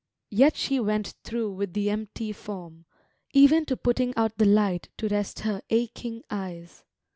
Yet she went through with the empty form, even to putting out the light to rest her aching eyes.